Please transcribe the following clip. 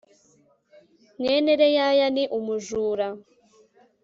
mwene reyaya ni umujura